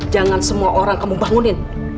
jangan semua orang kamu bangunin